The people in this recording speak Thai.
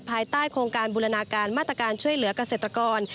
ภายใต้โครงการบูรณาการมาตรการช่วยเหลือกเกษตรกร